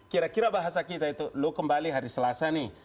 kira kira bahasa kita itu lu kembali hari selasa nih